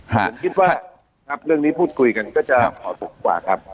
เหมือนคิดว่าเรื่องนี้พูดคุยกันก็จะขอสุขกว่าครับ